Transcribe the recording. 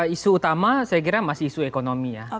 isu utama saya kira masih isu ekonomi ya